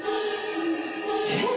「えっ！？」